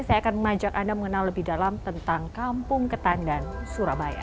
saya akan mengajak anda mengenal lebih dalam tentang kampung ketandan surabaya